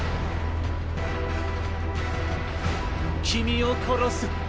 君を殺す。